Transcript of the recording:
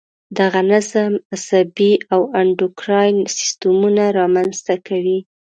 دغه نظم عصبي او انډوکراین سیستمونه را منځته کوي.